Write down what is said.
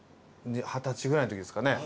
二十歳ぐらいのときですかね。